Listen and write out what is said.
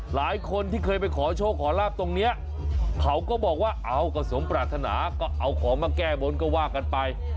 หลายคนที่เคยไปขอโชคขอลาบตรงนี้เขาก็บอกว่าเอาก็สมปรารถนาก็เอาของมาแก้บนก็ว่ากันไป